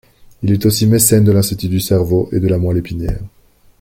Il est aussi mécène de l'Institut du cerveau et de la moelle épinière.